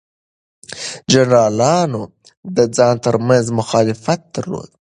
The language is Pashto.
جنرالانو د ځان ترمنځ مخالفت درلود.